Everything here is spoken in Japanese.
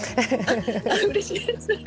あっうれしいです。